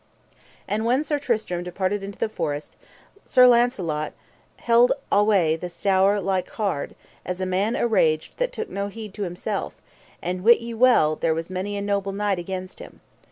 And when Sir Tristram departed into the forest Sir Launcelot held alway the stour like hard, as a man araged that took no heed to himself, and wit ye well there was many a noble knight against him.